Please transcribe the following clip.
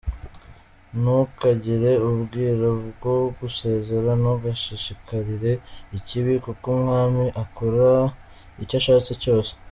Ntukagire ubwira bwo gusezera, ntugashishikarire ikibi, kuko umwami akora icyo ashatse cyose.